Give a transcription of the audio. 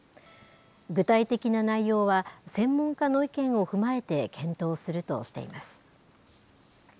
具体的な内容は、専門家の意見を踏まえて検討するとしています。